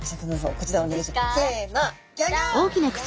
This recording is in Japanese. こちらお願いします。